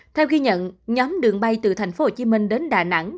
theo ghi nhận nhóm đường bay từ thành phố hồ chí minh đến đà nẵng